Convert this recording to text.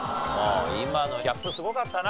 今のギャップすごかったな。